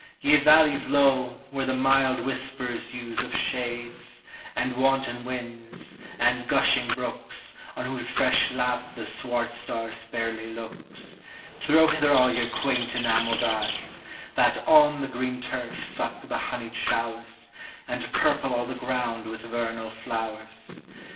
Ye valleys low, where the mild whispers use Of shades, and wanton winds, and gushing brooks, On whose fresh lap the swart star sparely looks, Throw hither all your quaint enamelled eyes, That on the green turf suck the honeyed showers, And purple all the ground with vernal flowers.